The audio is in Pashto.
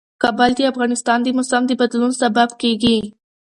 کابل د افغانستان د موسم د بدلون سبب کېږي.